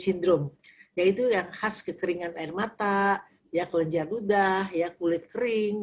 sindrome yaitu yang khas kekeringan air mata kelenjar ludah kulit kering